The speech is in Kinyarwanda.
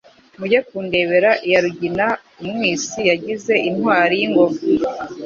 Mujye kundebera iya RuginaUmwisi yagize intwari y' ingoga